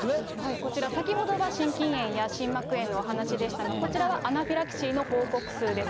こちら、先ほどは心筋炎や心膜炎のお話でしたが、こちらはアナフィラキシーの報告数です。